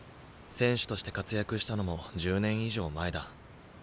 選手として活躍したのも１０年以上前だ。